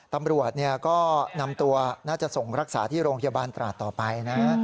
ตำรวจก็นำตัวน่าจะส่งรักษาที่โรงพยาบาลตราดต่อไปนะ